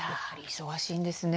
忙しいんですね。